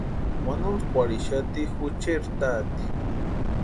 Wantontskwarixati jucheri tati.